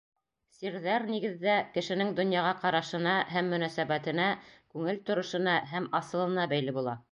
Сирҙәр, нигеҙҙә, кешенең донъяға ҡарашына һәм мөнәсәбәтенә, күңел торошона һәм асылына бәйле була.